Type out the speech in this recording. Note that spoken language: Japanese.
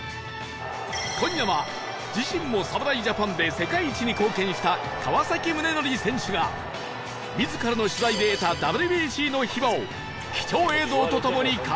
今夜は自身も侍ジャパンで世界一に貢献した川宗則選手が自らの取材で得た ＷＢＣ の秘話を貴重映像と共に語り尽くす！